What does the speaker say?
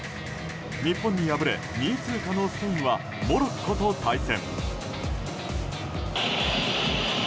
日本に敗れ２位通過のスペインはモロッコと対戦。